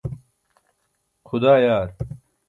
xudaa yaar